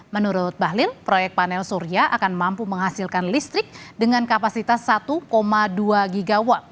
menurut bahlil proyek panel surya akan mampu menghasilkan listrik dengan kapasitas satu dua gw